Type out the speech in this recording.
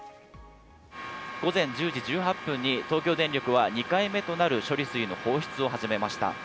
午前１０時１８分に東京電力は２回目となる処理水の放出を始めました。